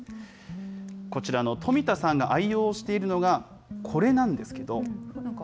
こちらの冨田さんが愛用しているのが、これなんですけど。